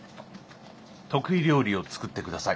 得意料理を作ってください。